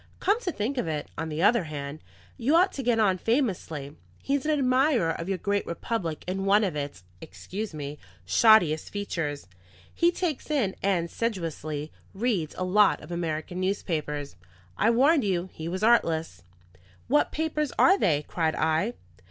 Come to think of it, on the other hand, you ought to get on famously. He is an admirer of your great republic in one of its (excuse me) shoddiest features; he takes in and sedulously reads a lot of American papers. I warned you he was artless." "What papers are they?" cried I.